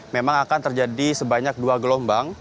memang akan terjadi sebanyak dua gelombang